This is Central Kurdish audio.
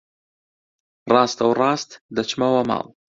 ڕاستەوڕاست دەچمەوە ماڵ.